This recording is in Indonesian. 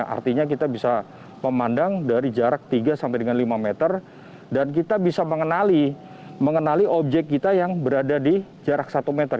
artinya kita bisa memandang dari jarak tiga sampai dengan lima meter dan kita bisa mengenali objek kita yang berada di jarak satu meter